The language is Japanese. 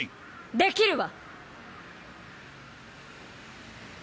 できるわ！